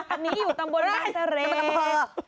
อันนี้อยู่ตรงบนนักเศรษฐ์